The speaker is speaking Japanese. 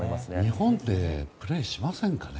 日本でプレーしませんかね